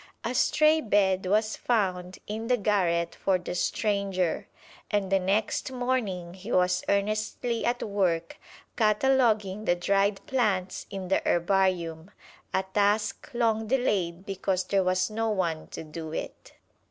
A stray bed was found in the garret for the stranger, and the next morning he was earnestly at work cataloguing the dried plants in the herbarium, a task long delayed because there was no one to do it.